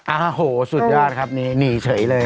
โอ้โหสุดยอดครับนี่หนีเฉยเลย